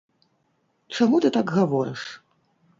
Чаму ты так гаворыш?